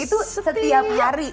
itu setiap hari